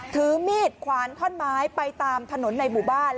ถือมีดขวานท่อนไม้ไปตามถนนในหมู่บ้าน